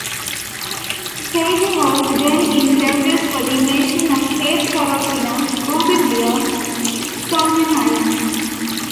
Staging was then in progress for the invasion of Cape Torokina, Bougainville, Solomon Islands.